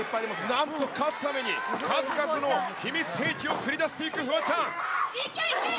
なんと勝つために、数々の秘密兵器を繰り出していくフワちゃん。